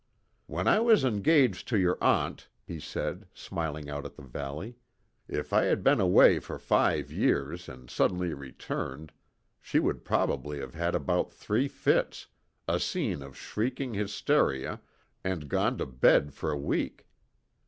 "When I was engaged to your aunt," he said, smiling out at the valley, "if I had been away for five years and suddenly returned, she would probably have had about three fits, a scene of shrieking hysteria, and gone to bed for a week.